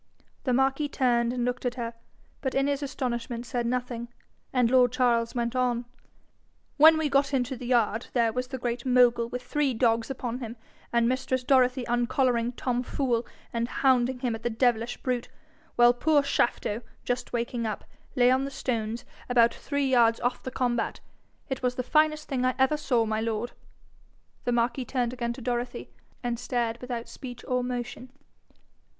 The marquis turned and looked at her, but in his astonishment said nothing, and lord Charles went on. 'When we got into the yard, there was the Great Mogul with three dogs upon him, and mistress Dorothy uncollaring Tom Fool and hounding him at the devilish brute; while poor Shafto, just waking up, lay on the stones, about three yards off the combat. It was the finest thing I ever saw, my lord.' The marquis turned again to Dorothy, and stared without speech or motion.